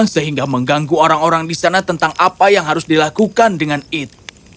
sehingga mengganggu orang orang di sana tentang apa yang harus dilakukan dengan eat